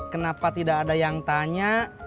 kenapa tidak ada yang tanya